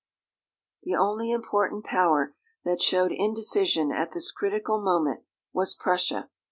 The only important Power that showed indecision at this critical moment was Prussia.